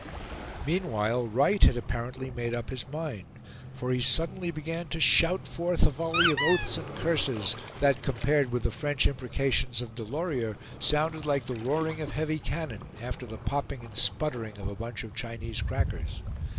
Meanwhile Wright had apparently made up his mind; for he suddenly began to shout forth a volley of oaths and curses, that, compared with the French imprecations of Delorier, sounded like the roaring of heavy cannon after the popping and sputtering of a bunch of Chinese crackers.